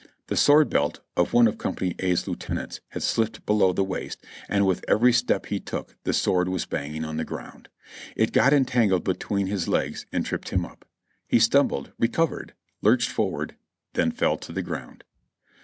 The sword belt of one of Company A's lieutenants had slipped below the waist, and with every step he took the sword was banging on the ground ; it got entangled between his legs and tripped him up. He stumbled, recovered, lurched forward, then fell to the ground.